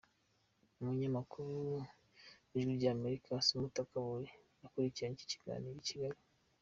Umunyamakuru w’Ijwi ry’Amerika Assumpta Kaboyi yakurikiranye iki kiganiro I Kigali.